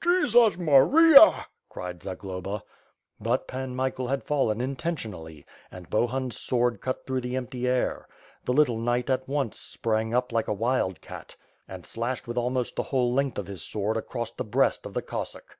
"Jesus Maria!" cried Zagloba. But Pan Michael had fallen intentionally, and Bohun's sword cut through the empty air. The little knight at once sprang up like a wild cat, and slashed with almost the whole length of his sword across the breast of the Cossack.